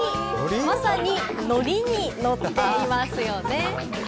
まさにのりにのっていますよね。